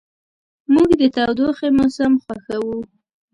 موږ د تودوخې موسم خوښوو.